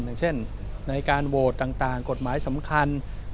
อย่างเช่นในการโหวตต่างกฎหมายสำคัญ